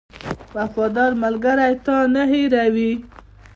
• وفادار ملګری تا نه هېروي.